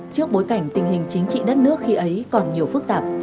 trước bối cảnh tình hình chính trị đất nước khi ấy còn nhiều phức tạp